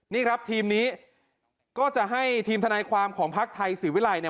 นี่ครับทีมนี้ก็จะให้ทีมทนายความของพักไทยศรีวิรัยเนี่ย